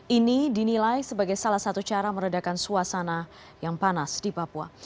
ini dinilai sebagai salah satu cara meredakan suasana yang panas di papua